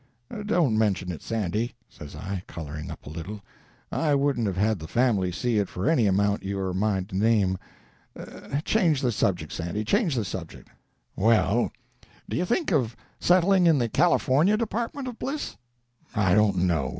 "Don't mention it, Sandy," says I, coloring up a little; "I wouldn't have had the family see it for any amount you are a mind to name. Change the subject, Sandy, change the subject." "Well, do you think of settling in the California department of bliss?" "I don't know.